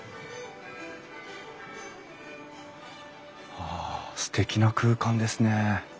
わあすてきな空間ですね。